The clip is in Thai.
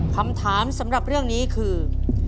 คำถามสำหรับเรื่องนี้คือ